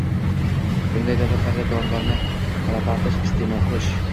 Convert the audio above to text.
Bunday davlatlarda dorilarni palapartish iste’mol qilish